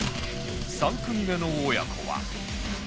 ３組目の親子は